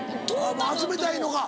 集めたいのか。